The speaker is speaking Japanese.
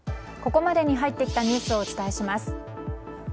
ここまで入ってきたニュースをお伝えします。